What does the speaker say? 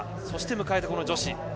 そして迎えた女子。